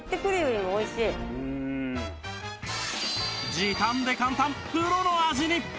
時短で簡単プロの味に！